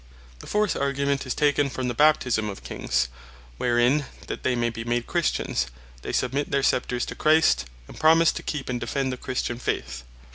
The fourth Argument, is taken from the Baptisme of Kings; wherein, that they may be made Christians they submit their Scepters to Christ; and promise to keep, and defend the Christian Faith.